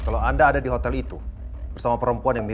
bukan istri emang